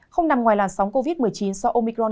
không nằm ngoài làn sóng covid một mươi chín do omicron